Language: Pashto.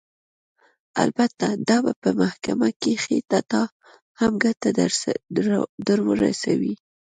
البته دا به په محکمه کښې تا ته هم ګټه درورسوي.